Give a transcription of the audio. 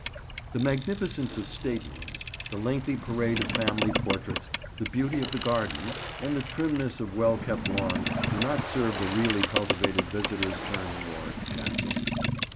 The magnificence of state rooms, the lengthy parade of family portraits, the beauty of the gardens, and the trimness of well kept lawns do not serve the really cultivated visitor's turn in Warwick Castle.